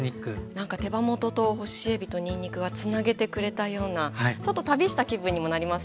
なんか手羽元と干しえびとにんにくがつなげてくれたようなちょっと旅した気分にもなりますよね。